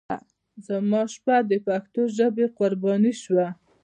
زما شپه د پښتو ژبې قرباني شوه.